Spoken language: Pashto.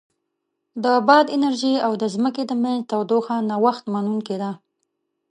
د باد انرژي او د ځمکې د منځ تودوخه نوښت منونکې ده.